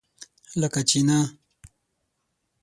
لکه چینۀ!